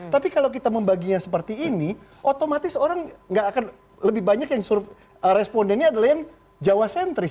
tapi kalau kita membaginya seperti ini otomatis orang nggak akan lebih banyak yang respondennya adalah yang jawa sentris